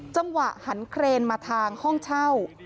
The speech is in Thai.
จังหวะหันเครนมาทางห้องเช่า